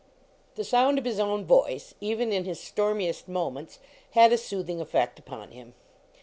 The sound of his own voice, even in his stormiest moments, had a soothing effect upon him.